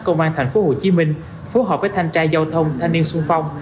công an tp hcm phù hợp với thanh tra giao thông thanh niên xuân phong